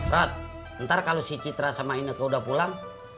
rod ntar kalau si citra sama ineke udah pulang